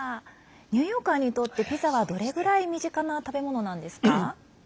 ニューヨーカーにとってピザはどれぐらい身近な食べ物なんですか？